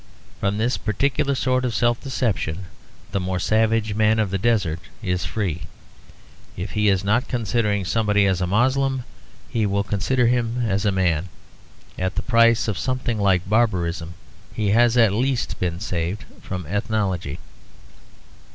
From this particular sort of self deception the more savage man of the desert is free. If he is not considering somebody as a Moslem, he will consider him as a man. At the price of something like barbarism, he has at least been saved from ethnology.